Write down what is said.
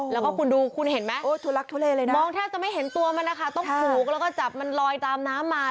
แล้วก็คุณดูคุณเห็นไหมมองท่าจะไม่เห็นตัวมันนะคะต้องผลุกแล้วก็จับมันลอยตามน้ำมา